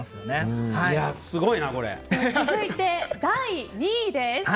続いて、第２位です。